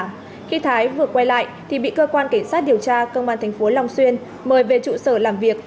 nếu vừa quay lại thì bị cơ quan cảnh sát điều tra công an thành phố long xuyên mời về trụ sở làm việc